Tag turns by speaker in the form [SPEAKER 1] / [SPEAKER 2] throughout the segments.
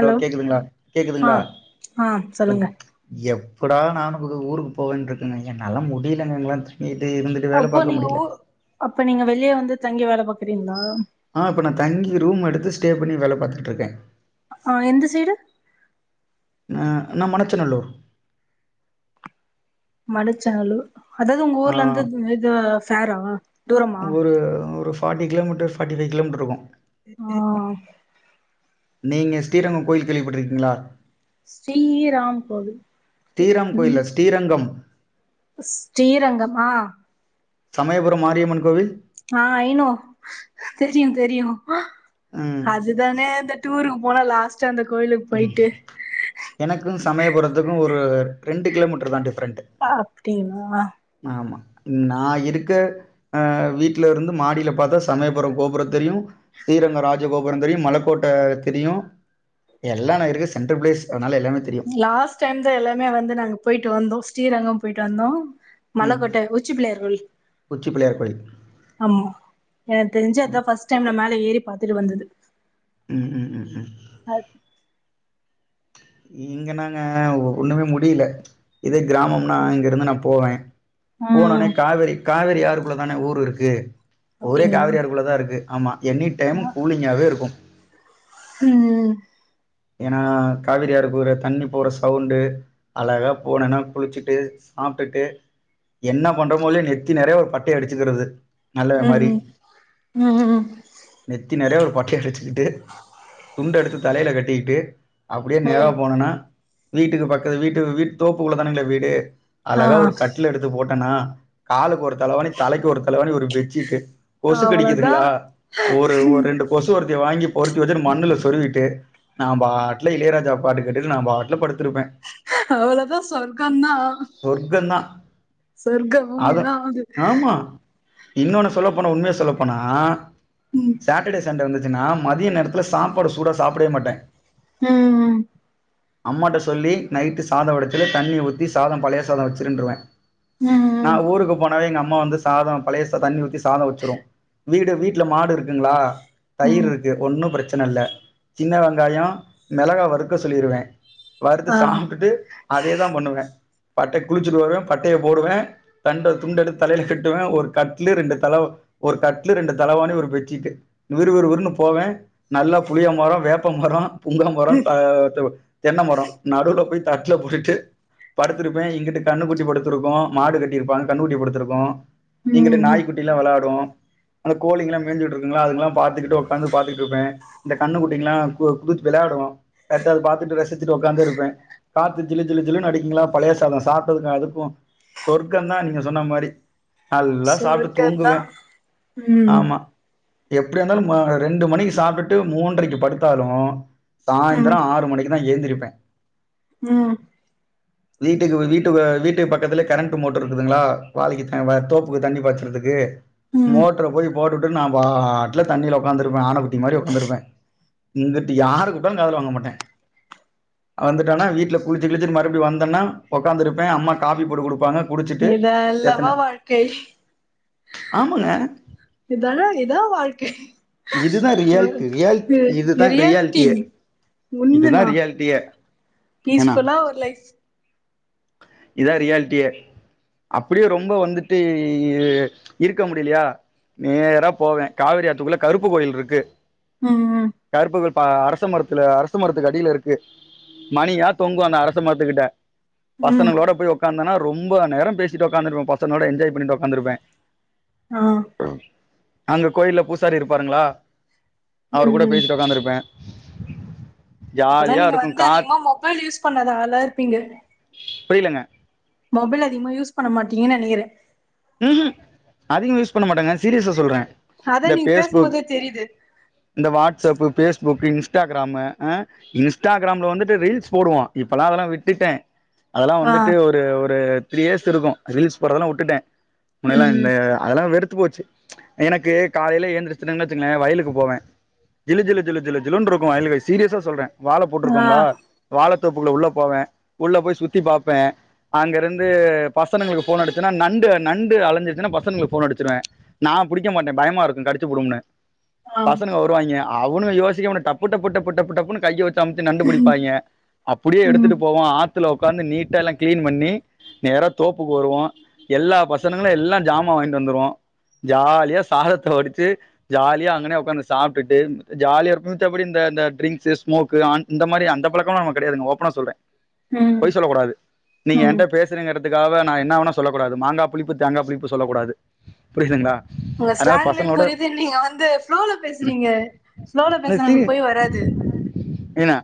[SPEAKER 1] Hello கேக்குதுங்களா
[SPEAKER 2] ஆ
[SPEAKER 1] கேக்குதுங்களா
[SPEAKER 2] ஆ
[SPEAKER 1] எப்
[SPEAKER 2] சொல்லுங்க
[SPEAKER 1] எப்படா நானு ஊரு ஊருக்கு போவேனு இருக்கங்க என்னால முடியலங்க இங்கல்லாத்
[SPEAKER 2] அப்போ நீங்க ஊ அப்ப நீங்க வெளியே வந்து தங்கி வேல பாக்குறீங்களா
[SPEAKER 1] ஆ இப்ப நா தங்கி ரூம் எடுத்து ஸ்டே பண்ணி வேல பாத்துட்ருக்கே
[SPEAKER 2] ஆ எந்த சைடு
[SPEAKER 1] நா நா மணச்சநல்லூர்
[SPEAKER 2] மணச்சநல்லூர் அதாவது உங்க
[SPEAKER 1] ஆ
[SPEAKER 2] ஊர்ல இருந்து இது ஃபேரா தூரமா
[SPEAKER 1] ஒரு ஒரு forty kilometre forty five kilometre இருக்கும்
[SPEAKER 2] ஆ
[SPEAKER 1] நீங்க ஸ்ரீரங்கம் கோயில் கேள்விப்பட்டிருக்கீங்களா
[SPEAKER 2] ஸ்ரீராம் கோவில்
[SPEAKER 1] ஸ்ரீராம் கோயில்
[SPEAKER 2] ம்
[SPEAKER 1] இல்ல ஸ்ரீரங்கம்
[SPEAKER 2] ஸ்ரீரங்கமா
[SPEAKER 1] சமயபுரம் மாரியம்மன் கோவில்
[SPEAKER 2] ஆ ஐ நோ தெரியு தெரியு
[SPEAKER 1] ம்
[SPEAKER 2] அதுதானே இந்த டூருக்கு போனா லாஸ்ட்
[SPEAKER 1] எனக்கு சமயபுரதுக்கு ஒரு ரெண்டு கிலோமீட்டர் தா டிஃப்
[SPEAKER 2] பா அப்டின்னா
[SPEAKER 1] ஆமா நா இருக்க அ வீட்ல இருந்து மாடில பாத்தா சமயபுர கோபுரோ தெரியு ஸ்ரீரங்க ராஜகோபுரோ தெரியு மலக்கோட் ட தெரியு எல்லா ந இருக்குற சென்டர் பிளேஸ் அதனால எல்லாமே தெரியும்.
[SPEAKER 2] லாஸ்ட் டைம் தா எல்லாமே வந்து நாங்க போய்ட்டு வந்தோ ஸ்ரீரங்கம் போயிட்டு வந்தோ
[SPEAKER 1] ம்.
[SPEAKER 2] மலக்கோட்ட உச்சி பிள்ளயார் கோய்ல்
[SPEAKER 1] உச்சி பிள்ளையார் கோயில்.
[SPEAKER 2] ஆமா எனக்கு தெரிஞ்சு
[SPEAKER 1] ம்,
[SPEAKER 2] அதான் பர்ஸ்ட் டைம் நா மேல ஏறி பாத்துட்டு வந்தது
[SPEAKER 1] ம் ம் ம் ம்
[SPEAKER 2] அ
[SPEAKER 1] இங்க நாங்க ஒண்ணுமே முடியில இதே கிராமம்னா இங்க இருந்து நா போவே போனோனே
[SPEAKER 2] ம்
[SPEAKER 1] காவேரி காவேரி ஆறுக்குள்ள தானே ஊரு இருக்கு ஊரே
[SPEAKER 2] அப்டிங்களா
[SPEAKER 1] காவேரி ஆறுக்குள்ள தா இருக்கு ஆமா எனி டைமும் கூலிங்காவே இருக்கும்
[SPEAKER 2] ம்
[SPEAKER 1] ஏனா காவேரியாருக்குற தண்ணி போற சவுண்டு அழகா போனன்னா குளிச்சுட்டு சாப்டுட்டு என்ன பண்றோமோ இல்லயோ நெத்தி நெறைய ஒரு பட்டை அடிச்சுக்கிறது நல்ல
[SPEAKER 2] ம்
[SPEAKER 1] மாரி
[SPEAKER 2] ம் ம்
[SPEAKER 1] நெத்தி நெறைய ஒரு பட்டய அடிச்சுக்கிட்டு துண்ட எடுத்து தலையில கட்டிக்கிட்டு அப்டியே நேரா
[SPEAKER 2] ம்
[SPEAKER 1] போனோம்னா வீட்டுக்கு பக்கத்து வீட்டு வீட்டு தோப்புக்குள்ள தானுங்களே வீடு
[SPEAKER 2] ஆ
[SPEAKER 1] அழகா ஒரு கட்டில எடுத்து போட்டேனா காலுக்கொரு தலவாணி தலைக்கு ஒரு தலவாணி ஒரு பெட்சிட் கொசு
[SPEAKER 2] அவ்ளோதா
[SPEAKER 1] கடிக்குதுங்களா ஒரு ஒரு ரெண்டு கொசுவர்த்தி வாங்கி பொருத்தி வச்சுட்டு மண்ணுல சொருவிட்டு நா பாட்ல இளையராஜா பாட்டு கேட்டு நா பாட்ல படுத்திருப்பே
[SPEAKER 2] அவள தா சொர்க்க தா
[SPEAKER 1] சொர்க்கந்தா
[SPEAKER 2] சொர்க்க பூமிதா அது
[SPEAKER 1] ஆமா இன்னொன்னு சொல்லப்போன உண்மைய சொல்லப்போனா சாட்டர்டே சண்டே வந்து னா மத்திய நேரத்தில சாப்பாடு சூடா சாப்புடவே மாட்டே
[SPEAKER 2] ம் ம்
[SPEAKER 1] அம்மாட்ட சொல்லி நைட்டு சாதம் வடிச்சி தண்ணிய ஊத்தி சாதம் பழய சாதம் வச்சிருன்றுவே
[SPEAKER 2] ம் ம்
[SPEAKER 1] நான் ஊருக்கு போனாவே எங்க அம்மா வந்து சாதம் பழய சாதம் தண்ணி ஊத்தி சாதம் வச்சிரும் வீடு வீட்ல மாடு இருக்குங்களா தயிர்
[SPEAKER 2] ம்
[SPEAKER 1] இருக்கு ஒன்னு பிரச்சனை இல்ல சின்ன வெங் காயம் மிளகா வறுக்க சொல்லிருவே வறுத்து
[SPEAKER 2] ஆ
[SPEAKER 1] சாப்ட்டுட்டு அதேதா பண்ணுவே பட்டய குளிச்சுட்டு வருவே பட்டய போடுவே ரெண்டு துண்ட எடுத்து தலயில கட்டுவே ஒரு கட்லு ரெண்டு தல ஒரு கட்லு ரெண்டு தலவாணி ஒரு பெசட்சீட் விறுவிறுவிறுன்னு போவே நல்லா புளிய மரம் வேப் ப மரம் புங்க மரம் தென்ன மரம் நடுல போய் தட்டுல போட்டுட்டு படுத்திருப்பே இங்கிட்டு கண்ணு குட்டி படுத்திருக்கும் மாடு கட்டியிருப்பாங்க கண்ணு குட்டி படுத்திருக்கும் எங்கிட்ட
[SPEAKER 2] ம் ம்
[SPEAKER 1] நாய்க்குட்டிலா வெளாடும் அந்த கோழிங்கலா மேய்ஞ்சுட்டு இருக்குங்களா அதுங்கலா பாத்துக்கிட்டு உக்காந்து பாத்துட்டு இருப்பேன் இந்த கண்ணுகுட்டிங்ளா குதிச் வெளயாடும் அத பாத்துட்டு ரசிச்சுட்டு உக்காந்து இருப்பே காத்து ஜிலு ஜிலு ஜிலுன்னு அடிக்குங்களா பழய சாதம் சாப்டதுக்கு அதுக்கும் சொர்க்க தா நீங்க சொன்ன மாரி நல்லா சாப்ட்டு
[SPEAKER 2] சொர்க்கந்தா
[SPEAKER 1] தூங்குவே
[SPEAKER 2] ம்
[SPEAKER 1] ஆமா எப்டியாருந்தாலு ரெண்டு மணிக்கு சாப்டுட்டு மூன்றைக்கு படுத்தாலு
[SPEAKER 2] ம்
[SPEAKER 1] சாய்ந்தரம் ஆறு மணிக்குதான் எய்ந்திருப்பே
[SPEAKER 2] ம்
[SPEAKER 1] வீட்டுக்கு வீட்டு வீட்டுக்கு பக்கத்துல கரண்ட் மோட்டர் இருக்குதுங்களா வாழைக்கு தோப்புக்கு தண்ணி பாய்ச்சரு துக்கு
[SPEAKER 2] ம்
[SPEAKER 1] மோட்டரு போய் போட்டுவுட்டு நா பாட்டுல தண்ணியில உக்காந்துருப்பே ஆணை குட்டி மாரி உக்காந்துருப்பே இங்குட்டு யாரு கூப்டாலும் காதுல வாங்க மாட்டே வந்துட்டனா வீட்ல குளிச்சு கிளிச்சு மறுபடி வந்தன்னா உக்காந்துருப்பே அம்மா காஃபி போட்டு குடுப்பாங்க
[SPEAKER 2] இதல்லவா வாழ்க்கை
[SPEAKER 1] ஆமாங்க
[SPEAKER 2] இதானா இதா வாழ்க்
[SPEAKER 1] இதுதா ரியால்ட் ரியால் இதுதா
[SPEAKER 2] ரியாலிட்டி
[SPEAKER 1] ரியால்ட்டியே இதுதா
[SPEAKER 2] உண்மதா
[SPEAKER 1] ரியால்ட்டியே
[SPEAKER 2] பீஸ்ஃபுல்லா ஒரு லைஃப்
[SPEAKER 1] இதா ரியால்ட்டியே அப்டியே ரொம்ப வந்துட்டு இருக்க முடிலயா நேரா போவே காவிரி ஆத்துக்குள்ள கருப்பு கோயில் ருக்கு
[SPEAKER 2] ம் ம்
[SPEAKER 1] ஆ அரச மரத்துல அரச மரத்துக்கு அடில இருக்கு மணியா தொங்கு அந்த அரச மரத்துக்கிட்ட
[SPEAKER 2] ம்
[SPEAKER 1] பசங்கனோட போய் ஒக்காந்தன்னா ரொம்ப நேரோ பேசிட்டு ஒக்காந்துருப்பே பசனோட என்ஜாய் பண்ணிட்டு ஒக்காந்துருப்பே
[SPEAKER 2] ஆ
[SPEAKER 1] அங்க கோயில்ல பூசாரி இருப்பாருங்ளா அவரு
[SPEAKER 2] ம்
[SPEAKER 1] கூட
[SPEAKER 2] ம்
[SPEAKER 1] பேசிட்டு ஒக்காந்துருப்பே
[SPEAKER 2] அப்பனா நீங்க
[SPEAKER 1] இருக்கும்
[SPEAKER 2] வந்து
[SPEAKER 1] கா
[SPEAKER 2] அதிகமா மொபைல் யூஸ் பண்ணத ஆளாருப்பீங்க
[SPEAKER 1] புரிலங்க
[SPEAKER 2] மொபைல் அதிகமா யூஸ் பண்ண மாட்டீங்கன் நெனைக்கிறே
[SPEAKER 1] ம் ஹும் அதிகமா யூஸ் பண்ண மாட்டேங்க சீரியஸா சொல்றே
[SPEAKER 2] அதா
[SPEAKER 1] இந்த
[SPEAKER 2] நீங்க
[SPEAKER 1] பேஸ்புக்
[SPEAKER 2] பேசும்போதே தெரியுது
[SPEAKER 1] இந்த வாட்ஸப்பு பேஸ்புக் புக் இன்ஸ்டாகிராமு அ இன்ஸ்டாகிராம்ல வந்துட்டு ரீல்ஸ் போடுவோ இப்பல்லா அதெல்லா விட்டுட்டே அதெல்லா
[SPEAKER 2] ஆ
[SPEAKER 1] வந்துட்டு ஒரு ஒரு த்ரீ இயர்ஸ் இருக்கு ரீஸ் போறதெல்லா வுட்டுட்டே முன்னயல்லா
[SPEAKER 2] ம்
[SPEAKER 1] இல்ல அதெல்லா வெறுத் போச்சு எனக்கு காலைல எந்திரச்சுன் வச்சுங்களே வயலுக்கு போவே ஜிலு ஜிலு ஜிலு ஜிலு ஜிலுன்னுருக்கு வயலு சீரியஸா சொல்றே வாழ
[SPEAKER 2] ஆ
[SPEAKER 1] போட்ருக்கோங்களா வாழ ப்பு உள்ள போவே உள்ள போய் சுத்தி பாப்பே அங்கருந்து பசனங்களுக்கு ஃபோன் அடிச்ன்னா நண்டு நண்டு அலைஞ்ச்சுன்னா பசங்களுக்கு ஃபோன் அடிச்சிருவே நா புடிக்க மாட்டே பயமாருக்கு கடிச்சுபுடும்னு
[SPEAKER 2] ஆ
[SPEAKER 1] பசங்க வருவாய்ங்க அவனு யோசிக்க மா டப்பு டப்பு டப்பு டப்பு டப்புன்னு கைய வச்சு [unintelligible] அம்த்தி நண்டு புடிப்பாய்ங்க அப்டே
[SPEAKER 2] ம்
[SPEAKER 1] எடுத்துட்டு போவோ ஆத் ல ஒக்காந்து நீட்டா எல்லா கிளீன் பண்ணி நேரா தோப்புக்கு வருவோ எல்லா பசனங்களே எல்லா ஜாமான் வாங்கிட்டு வந்துருவோ ஜாலியா சாதத்த வடிச்சு ஜாலியா அங்கனே ஒக்காந்து சாப்ட்டுட்டு ஜாலியா மித்தபடி இந்த த இந்த டிரிங்க்ஷூ ஸ்மோக்கு ஆன் இந்த மாரி அந்த பழக்கம்லா நமக்கு கெடையாதுங்க ஓப்பனா சொல்றே
[SPEAKER 2] ம்
[SPEAKER 1] பொய் சொல்லக்கூடாது நீங்க
[SPEAKER 2] ம்
[SPEAKER 1] என்ட பேசுனுங்கறத்துக்காவ நா என்ன வேணா சொல்லக்கூடாது மாங்கா புளிப்பு தேங்கா புளிப்பு சொல்ல கூடாது புரிதுங்ளா
[SPEAKER 2] உங்க ஸ்லாங்க்லே புரிது நீங்க வந்து ஃப்ளோல பேசுறீங்க ஃப்ளோல
[SPEAKER 1] சீ
[SPEAKER 2] பேஸ்றவங்ளுக்கு பொய் வராது
[SPEAKER 1] என்ன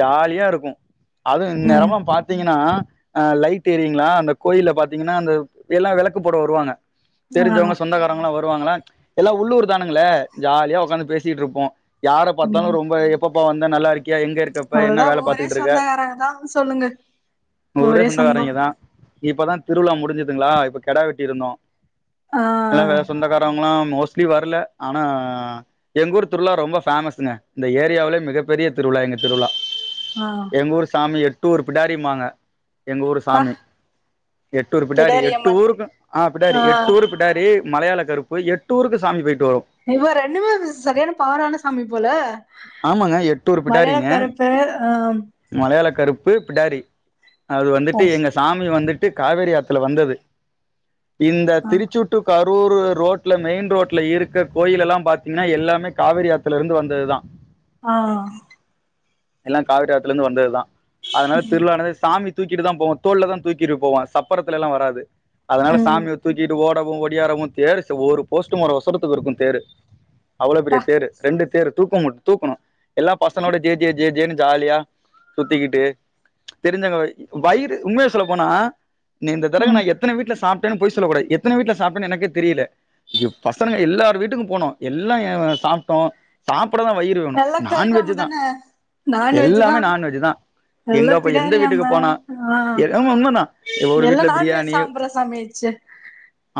[SPEAKER 1] ஜாலியாருக்கு அது
[SPEAKER 2] ம்
[SPEAKER 1] எந்நேரமு பாத்தீங்கன்னா அ லைட் ஏரியுங்ளா அந்த கோயில்ல பாத்தீங்கன்னா அந்த எல்லா வெளக்கு போட வருவாங்க
[SPEAKER 2] ஆ
[SPEAKER 1] தெரிஞ்சவங்க சொந்தக்காரவங்ளா வரு வாங்களா எல்லா உள்ளூர் தானுங்களே ஜாலியா ஒக்காந்து பேசிட்ருப்போ யார பாத்தாலு
[SPEAKER 2] ம்
[SPEAKER 1] ரொம்ப எப்ப எப்ப வந்த நல்லாருக்கியா எங்க இருக்கப்ப என்ன
[SPEAKER 2] அவ்ளோதா
[SPEAKER 1] வேல
[SPEAKER 2] ஒவ்வொரே
[SPEAKER 1] பாத்துட்ருக்க
[SPEAKER 2] சொந்தக்காரங்க தா சொல்லுங்க
[SPEAKER 1] ஊரே
[SPEAKER 2] ஒரே சொந்தோ
[SPEAKER 1] சொந்தக்காரைங்க தா இப்பதா திருவிழா முடிஞ்சுதுங்ளா இப்ப கெடா வெட்டிருந்தோ
[SPEAKER 2] ஆ
[SPEAKER 1] எல்லா வேற சொந்தக்காரங்களா மோஸ்ட்லி வர்ல ஆனா எங்கூர் திருவிழா ரொம்ப ஃபேமஸ் ங்க இந்த ஏரியாவுலே மிகப்பெரிய திருவி விழா எங்க திருவிழா
[SPEAKER 2] ஆ
[SPEAKER 1] எங்க ஊர் சாமி எட்டூர் பிடாரிம்பாங்க எங்க ஊர்
[SPEAKER 2] ப்பா
[SPEAKER 1] சாமி எட்டூர் பிடாரி
[SPEAKER 2] கெடாரி
[SPEAKER 1] எட்டு
[SPEAKER 2] அம்மன்
[SPEAKER 1] ஊருக்கு ஆ பிடாரி எட்டூர் பிடாரி மலையாள கருப்பு எட்டூருக்கு சாமி போயிருக்கு
[SPEAKER 2] இப்ப ரெண்டுமே சரியான பவரான சாமி போல
[SPEAKER 1] ஆமாங்க எட்டூர்
[SPEAKER 2] மலையாள
[SPEAKER 1] பிடாரிங்க
[SPEAKER 2] கருப்பு அ
[SPEAKER 1] பு பிடாரி அது வந்துட்டு
[SPEAKER 2] பாஸ்
[SPEAKER 1] எங்க சாமி வந்துட்டு காவேரி ஆத்துல வந்தது இந்த
[SPEAKER 2] ஆ
[SPEAKER 1] திருச்சூட்டு கா துரூ ரோட்ல மெயின் ரோட்ல இருக்க கோயில் எல்லாம் பாத்தீங்கன்னா எல்லாமே காவிரி ஆத்துல இருந்து வந்ததுதா
[SPEAKER 2] ஆ
[SPEAKER 1] எல்லாம் காவிரி ஆத்துல இருந்து வந்ததுதான் அதனால திருவிழான்னதே சாமி தூக்கிட்டு தா போவோ தோல் தா தூக்கிட்டு போவான் சப்பரத்துல எல்லாம் வராது அதனால
[SPEAKER 2] ம்
[SPEAKER 1] சாமிய தூக்கிட்டு போ வோ ஒடியாரவும் தேரு ஒரு போஸ்ட் மரம் ஓசரத்துக்கு இருக்கும் தேரு அவ்வளோ பெரிய
[SPEAKER 2] ப்பா
[SPEAKER 1] தேரு ரெண்டு தேரு தூக்க மு தூக்கணு எல்லா பசங்களோட ஜே ஜே ஜே ஜேன்னு ஜாலியா சுத்திக்கிட்டு தெரிஞ்சங்க வ வயிறு உண்மைய சொல்ல போனா நீ இந்த தடவ நா
[SPEAKER 2] ம்
[SPEAKER 1] எத்தன வீட்ல சாப் டனு பொய் சொல்ல கூடாது எத்தன வீட்டுல சாப்புடன்னு எனக்கேத் தெரியல இப் பசங்க எல்லார வீட்டுக்கு போனோ எல்லா சாப்புட்டோ சாப் புட தா வயிறு வேணு
[SPEAKER 2] நல்லா கறி
[SPEAKER 1] நான்வெஜ்
[SPEAKER 2] கொழம்பு
[SPEAKER 1] தா
[SPEAKER 2] தான நான்வெஜ் தா
[SPEAKER 1] எல்லாமே நான்வெஜ் தா எங்க
[SPEAKER 2] நல்லா
[SPEAKER 1] அப்ப எந்த
[SPEAKER 2] பிடாரி
[SPEAKER 1] வீட்டுக்கு
[SPEAKER 2] அம்மன்
[SPEAKER 1] போன
[SPEAKER 2] ஆ
[SPEAKER 1] எ அஹ் உண்மதா ஒ ஒரு
[SPEAKER 2] எல்லா
[SPEAKER 1] வீட்ல
[SPEAKER 2] நான்வெஜ்
[SPEAKER 1] பிரியாணி
[SPEAKER 2] சாம்பற சாமி ஆயிடுச்சு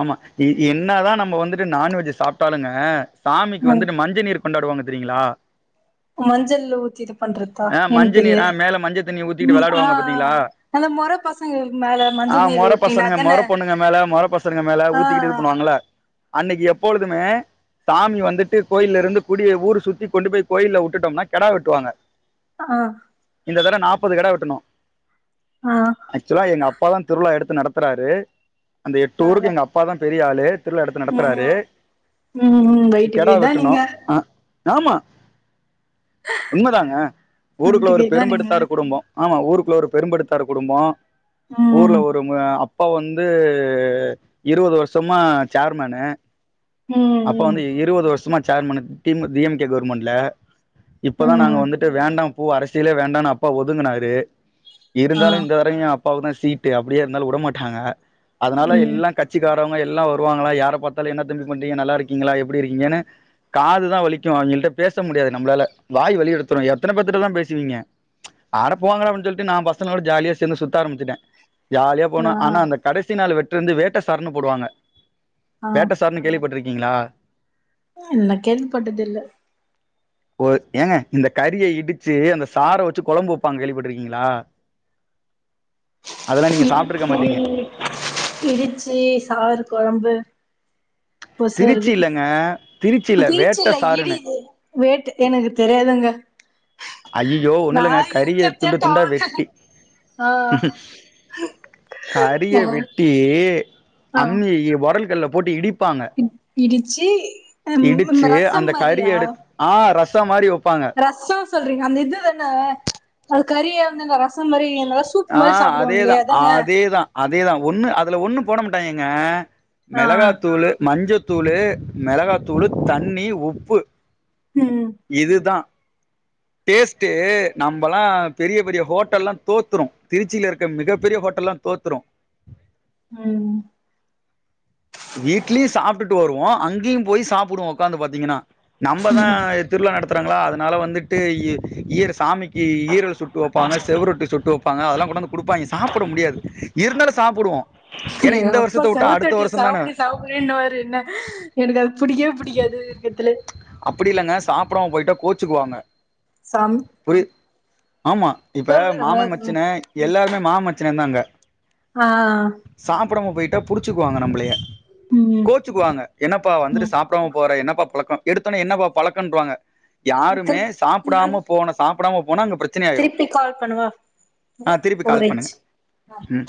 [SPEAKER 1] ஆமா இப் இ என்ன தா நம்ம வந்துட்டு நான்வெஜ் சாப்பிட்டாலுங்க சாமிக்கு
[SPEAKER 2] ம்
[SPEAKER 1] வந்துட்டு மஞ்ச நீரு கொண்டாடுவாங்க தெரியீங்களா
[SPEAKER 2] மஞ்சள்ல ஊத்தி இது பண்றதா எனக்கு தெரியல
[SPEAKER 1] ஞ்ச தண்ணிய ஊத்திட்டு வெளையாடுவாங்க பாத்தீங்களா
[SPEAKER 2] மொற பசங்களுக்கு மேல
[SPEAKER 1] ஆ
[SPEAKER 2] மஞ்சள் நீர்
[SPEAKER 1] மொர
[SPEAKER 2] ஊத்தீங்க
[SPEAKER 1] பசனுங்க
[SPEAKER 2] அதான
[SPEAKER 1] மொர பொண்ணுங்க மேல மொர பசனுங்க மேல
[SPEAKER 2] ஆ
[SPEAKER 1] ஊத்திக்கிட்டு இது பண்ணுவாங்கள அன்னைக்கி எப்பொழுதுமே சாமி வந்துட்டு கோயில இருந்து குடிய ஊரு சுத்தி கொண்டு போய் கோயில்ல வுட்டுட்டோம்னா கெடா வெட்டுவாங்க
[SPEAKER 2] ஆ
[SPEAKER 1] இந்த தர நாப்பது கெட வெட்டுனோ
[SPEAKER 2] ஆ
[SPEAKER 1] ஆக்சுவலா எங்க அப் திருவிழா எடுத்து நடத்துறாரு அந்த எட்டு ஊருக்கு எங்க அப்பா தா பெரியளு திருவிழா எடுத்து
[SPEAKER 2] ம்
[SPEAKER 1] நடத்துறாரு
[SPEAKER 2] ம் ம் வயிட்டுக்கு
[SPEAKER 1] கெடா
[SPEAKER 2] இதா
[SPEAKER 1] வெட்டணு
[SPEAKER 2] நீங்க
[SPEAKER 1] அ ஆமா உண்மதாங்க ஊருக்குள்ள
[SPEAKER 2] வயிட்டுக்கு
[SPEAKER 1] ஒரு
[SPEAKER 2] இதா நீங்க
[SPEAKER 1] பெரும்பெடுத்தாரு குடும்போ ஆமா ஊருக்குள்ள ஒரு பெரும்படுத்தாரு குடும்போ ஊர்ல
[SPEAKER 2] ம்
[SPEAKER 1] ஒருமு அப்பா வந்து இருவது வருஷமா சேர்மேனு அப்பா
[SPEAKER 2] ம் ம்
[SPEAKER 1] வந்து இருவது வருஷமா சேர்மேனு டிம் டி எம் கே கவர்மெண்ட்ல இப்பதா நாங்க
[SPEAKER 2] ம்
[SPEAKER 1] வந்துட்டு வேண்டா பூ அரசியலே வேண்டான்னு அப்பா ஒதுங்கனாரு
[SPEAKER 2] ஆ
[SPEAKER 1] இருந்தாலு இந்த தடவயு அப்பாவுதா சீட்டு அப்டியே இருந்தாலு வுட மாட்டாங்க அதனால
[SPEAKER 2] ம்
[SPEAKER 1] எல்லா கட்சிக்கார் டாவங்க எல்லா வருவாங்களா யார பாத்தாலு என்ன தம்பி பண்றீங்க நல்லா இருக்கீங்களா எப்டி இருக்கீங்கன்னு காதுதா வலிக்கு அவிங்கள்ட்ட பேச முடியாது நம்பளால வாய் வலி எடுத்துரு எத்தன பேத்துட்டதா பேசுவீங்க அட போங்கடா அப்டின்னு சொல்லிட்டு நா பசங்களோட ஜாலியா சேந்து சுத்த ஆம்பிச்சுட்டே ஜாலியா
[SPEAKER 2] ஆ
[SPEAKER 1] போனோ ஆனா அந்த
[SPEAKER 2] ஆ
[SPEAKER 1] கடைசி நாள் வெட்டிருந்து வேட்ட சாரனு போடுவாங்க வேட்ட சாரனு கேள்விப்பட்டிருக்க ங்களா
[SPEAKER 2] நா கேள்விப்பட்டதில்ல
[SPEAKER 1] ஓ ஏங்க இந்த கறிய இடிச்சு அந்த சார வச்சு கொழம்பு வெப்பாங்க கேள்விப்பட்டிருக்கீங்களா அதெல்லா நீங்க சாப்ட்ருக்க
[SPEAKER 2] இடிச்சு
[SPEAKER 1] மாட்டீங்க
[SPEAKER 2] இடிச்சு சாறு கொழம்பு
[SPEAKER 1] திருச்சி
[SPEAKER 2] பொசருக்கு
[SPEAKER 1] இல்லங்க திருச்சி இல்ல வேட்ட சாருனு
[SPEAKER 2] வேட் எனக்கு தெரியாதுங்க
[SPEAKER 1] ஐய்யையோ
[SPEAKER 2] நா
[SPEAKER 1] ஒண்ணுலங்க கறிய
[SPEAKER 2] இருக்கறதே
[SPEAKER 1] துண்டுத் துண்டா
[SPEAKER 2] டவுனு
[SPEAKER 1] வெட்டி
[SPEAKER 2] ஆ
[SPEAKER 1] கறிய வெட்டி அம்மி ஒரல்கல்ல போட்டு இடி
[SPEAKER 2] இ இடிச்சு
[SPEAKER 1] இடிச்சு அந்த கறி எடு ஆ ரசம் மாரி வெப்
[SPEAKER 2] ரசோ சொல்றீங்க அந்த இது தனே அது கறிய வந்துன ரசம் மாரி நல்லா சூப்
[SPEAKER 1] ஆ
[SPEAKER 2] மாரி சாப்டுவாங்களே
[SPEAKER 1] அதேதா
[SPEAKER 2] அதான
[SPEAKER 1] அதேதா அதேதா ஒண்ணு அதுல ஒண்ணு போட மாட்டாயிங்கங்க
[SPEAKER 2] ஆ
[SPEAKER 1] மெளகாத்தூளு மஞ்சத்தூளு மெளகாத்தூளு தண்ணி உப்பு
[SPEAKER 2] ம்
[SPEAKER 1] இதுதா டேஸ்ட்டூ நம்மலா பெரிய பெரிய ஹோட்டலெல்லா தோத்துரு திருச்சியில இருக்க மிகப் பெரிய ஹோட்டலெல்லா தோத்துரு
[SPEAKER 2] ம்
[SPEAKER 1] வீட்லயு சாப்ட்டு வருவோ அங்கேயு போய் சாப்புடுவோ உக்காந்து பாத்தீங்கன்னா நம்ம தா திருவிழா நடத் தரங்களா அதனால வந்துட்டு இ இ சாமிக்கு ஈரல் சுட்டு வெப்பாங்க செவுரொட்டி சுட்டு வெப்ப அதெல்லா கொண்டாந்து குடுப்பாயிங்க சாப்ட முடியாது இருந்தாலு சாப்புடுவோ ஏன்னா இந்த
[SPEAKER 2] எங்கப்பா
[SPEAKER 1] வருஷத்த வுட்டா அடுத்த
[SPEAKER 2] செவத்தட்டி
[SPEAKER 1] வருஷந்தான
[SPEAKER 2] சாப்புடு சாப்புடுன்னுவாரு என்ன எனக்கு அது புடிக்கவே புடிக்காது இருக்கத்துலே
[SPEAKER 1] சாப்டாமா போயிட்டா கோச்சுக்குவாங்க
[SPEAKER 2] சாம்
[SPEAKER 1] புரி ஆமா இப்ப மாம மச்சின எல்லாருமே மாம மச்சினே தா அங்க
[SPEAKER 2] ஆ ஆ
[SPEAKER 1] புடாம போயிட்டா புடிச்சுக்குவாங்க நம்மளயே
[SPEAKER 2] ம்
[SPEAKER 1] கோச்சுக்குவாங்க என்னப்பா வந்துட்டு
[SPEAKER 2] ம்
[SPEAKER 1] சாப் போற என்னப்பா பழக்கோ எடுத்தவுடனே என்னப்பா பழக்கோன்றுவாங்க யாருமே
[SPEAKER 2] திருப்
[SPEAKER 1] சாப்டாம போன சாப்டாம
[SPEAKER 2] திருப்பி கால் பண்ணுவா
[SPEAKER 1] ஆ திருப்பி கால் பண்ணுங்க ம்